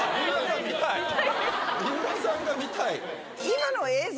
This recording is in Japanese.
水卜さんが見たい